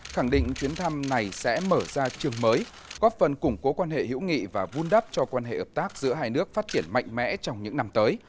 khẳng định chuyến thăm này sẽ mở ra trường mới góp phần củng cố quan hệ hữu nghị và vun đắp cho quan hệ ợp tác giữa hai nước phát triển mạnh mẽ trong những năm tới